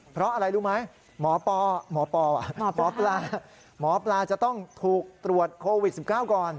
เพราะอะไรรู้ไหมหมอปลาจะต้องถูกตรวจโควิด๑๙ก่อน